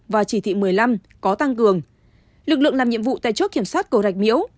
và chỉ thị một mươi năm có tăng cường lực lượng làm nhiệm vụ tại chốt kiểm soát cầu rạch miễu